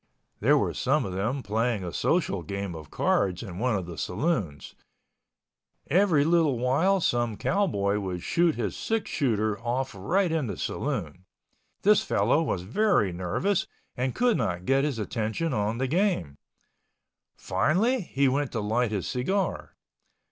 There were some of them playing a social game of cards in one of the saloons. Every little while some cowboy would shoot his six shooter off right in the saloon. This fellow was very nervous and could not get his attention on the game. Finally he went to light his cigar.